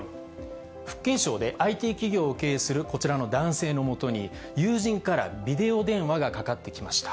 福建省でＩＴ企業を経営するこちらの男性のもとに、友人からビデオ電話がかかってきました。